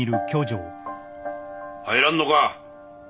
入らんのか？